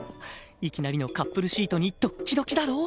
いきなりのカップルシートにドッキドキだろ？